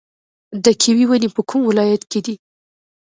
د کیوي ونې په کوم ولایت کې دي؟